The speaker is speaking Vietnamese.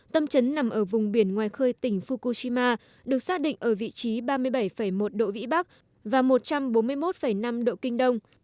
tâm trấn nằm ở vùng biển ngoài khơi tỉnh fukushima được xác định ở vị trí ba mươi bảy một độ vĩ bắc và một trăm bốn mươi một năm độ kinh đông